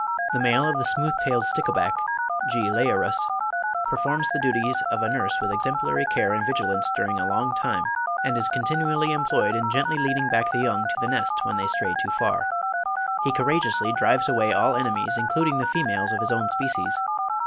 The male of the smooth tailed stickleback (G. leiurus) performs the duties of a nurse with exemplary care and vigilance during a long time, and is continually employed in gently leading back the young to the nest, when they stray too far. He courageously drives away all enemies including the females of his own species.